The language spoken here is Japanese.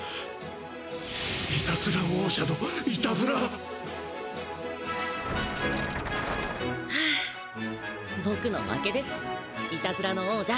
いたずら王者のいたずら！はあボクの負けですいたずらの王者。